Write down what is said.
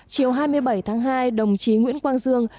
chiều hai mươi bảy tháng hai đồng chí nguyễn quang dương